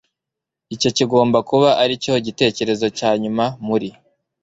icyo kigomba kuba aricyo gitekerezo cya nyuma muri